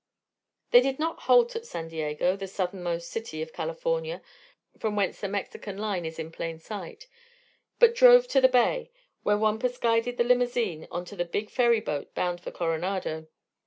They did not halt at San Diego, the southernmost city of California, from whence the Mexican line is in plain sight, but drove to the bay, where Wampus guided the limousine on to the big ferryboat bound for Coronado.